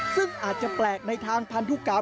ซึ่งอาจจะแปลกในทางพันธุกรรม